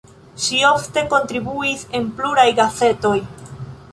Ŝi ofte kontribuis en pluraj gazetoj.